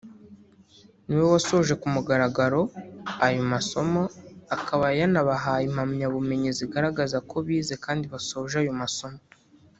ni we wasoje ku mugaragaro aya masomo akaba yanabahaye impamyabumenyi zigaragaza ko bize kandi basoje ayo masomo